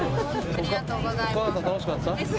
ありがとうございます。